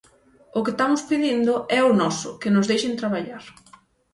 O que estamos pedindo é o noso, que nos deixen traballar.